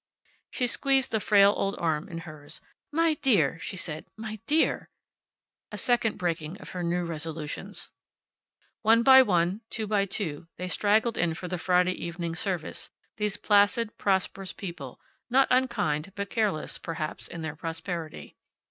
She squeezed the frail old arm in hers. "My dear!" she said. "My dear!" A second breaking of her new resolutions. One by one, two by two, they straggled in for the Friday evening service, these placid, prosperous people, not unkind, but careless, perhaps, in their prosperity.